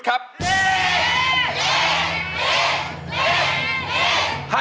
ฉันหา